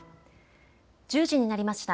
１０時になりました。